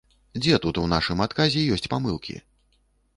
Дзе тут у нашым адказе ёсць памылкі?